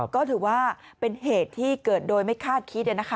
ก็ถือว่าเป็นเหตุที่เกิดโดยไม่คาดคิด